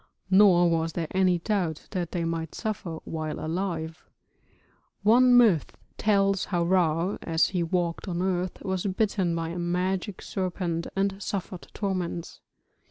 Nor was there any doubt that they might suffer while alive; one myth tells how Ra, as he walked on earth, was bitten by a magic serpent and suffered torments.